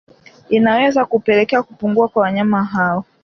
Inaweza kupelekea kupungua kwa wanyama hao